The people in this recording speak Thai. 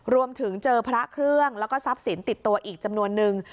รวมถึงเจอพระเครื่องแล้วก็ทรัพย์สินติดตัวอีกจำนวนนึง